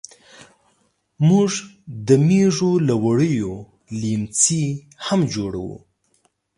موږ د مېږو له وړیو لیمڅي هم جوړوو.